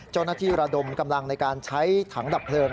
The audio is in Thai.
เจ้าหน้าที่ราดมกำลังในการใช้ถังดับเพลิง